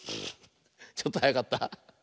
ちょっとはやかった？